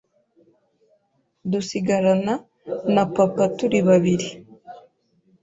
dusigarana na papa turi babiri